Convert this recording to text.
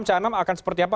ca enam akan seperti apa